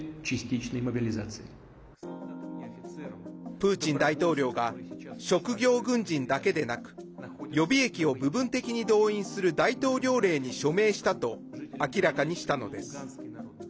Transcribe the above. プーチン大統領が職業軍人だけでなく予備役を部分的に動員する大統領令に署名したと明らかにしたのです。